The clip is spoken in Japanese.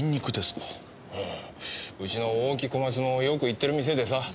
うちの大木小松もよく行ってる店でさ。